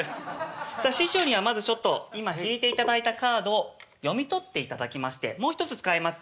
さあ師匠にはまずちょっと今引いていただいたカードを読み取っていただきましてもう一つ使います。